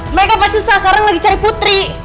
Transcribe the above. mereka pasti sekarang lagi cari putri